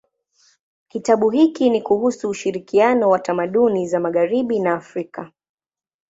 Kitabu hiki ni kuhusu ushirikiano wa tamaduni za magharibi na Afrika.